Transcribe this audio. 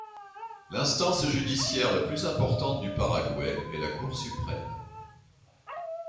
L'instance judiciaire la plus importante du Paraguay est la Cour suprême.